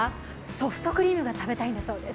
ソフトクリームが食べたいそうです。